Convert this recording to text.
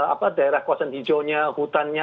apa daerah kawasan hijaunya hutannya